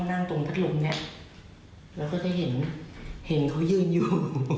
นั่งตรงพัดลมเนี่ยเราก็จะเห็นเห็นเขายืนอยู่